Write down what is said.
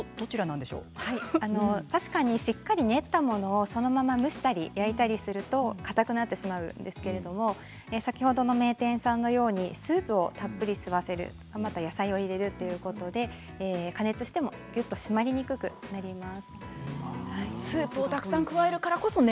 確かにしっかり練ったものをそのまま蒸したり焼いたりするとかたくなってしまうんですけれども、名店さんのようにスープをたっぷり吸わせる野菜を入れるということで加熱してもぎゅっと締まりにくくなります。